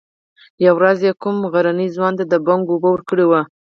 يوه ورځ يې کوم غرني ځوان ته د بنګو اوبه ورکړې وې.